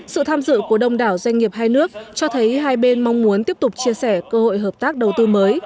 sự tham dự của đông đảo doanh nghiệp hai nước cho thấy hai bên mong muốn tiếp tục chia sẻ cơ hội hợp tác đầu tư mới